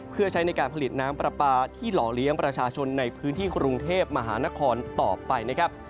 เพื่อใช้ในการผลิตน้ำปลาปลาที่หล่อเลี้ยงประชาชนในพื้นที่กรุงเทพมหานครต่อไปนะครับ